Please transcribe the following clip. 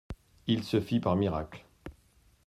Il se fit par miracle.